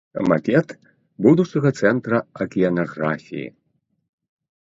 Макет будучага цэнтра акіянаграфіі.